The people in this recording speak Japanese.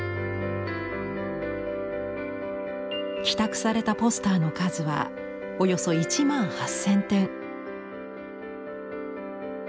寄託されたポスターの数はおよそ１万８，０００点。